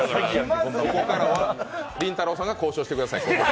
ここからはりんたろーさんが交渉してください。